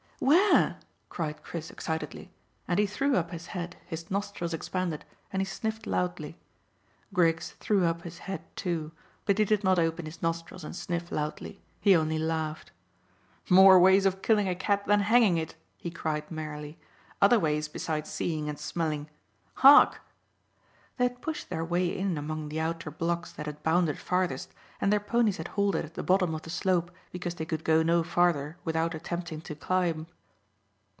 "Where?" cried Chris excitedly, and he threw up his head, his nostrils expanded, and he sniffed loudly. Griggs threw up his head too, but he did not open his nostrils and sniff loudly. He only laughed. "More ways of killing a cat than hanging it," he cried merrily. "Other ways besides seeing and smelling. Hark!" They had pushed their way in among the outer blocks that had bounded farthest, and their ponies had halted at the bottom of the slope because they could go no farther without attempting to climb.